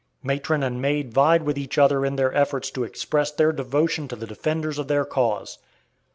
Matron and maid vied with each other in their efforts to express their devotion to the defenders of their cause.